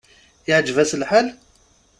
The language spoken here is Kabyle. Iɛǧeb-as lḥal?